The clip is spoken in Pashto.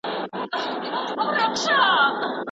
که کشران احترام وکړي نو خیر نه پورته کیږي.